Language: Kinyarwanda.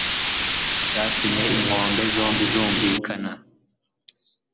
cyatumye inkombe zombi zumvikana